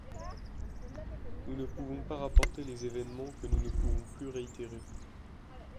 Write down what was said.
Nous ne pouvons pas rapporter les événements que nous ne pouvons plus réitérer.